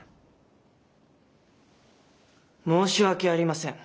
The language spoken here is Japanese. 申し訳ありません。